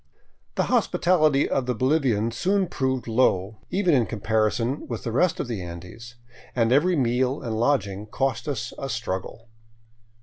The hospitality of the Bolivian soon proved low, even in comparison with the rest of the Andes, and every meal and lodging cost us a struggle.